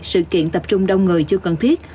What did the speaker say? sự kiện tập trung đông người chưa cần thiết